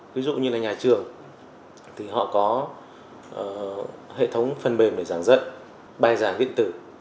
ví dụ như nhà trường họ có hệ thống phần mềm để giảng dạy bài giảng điện tử